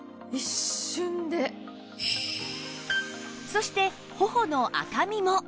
そして頬の赤みも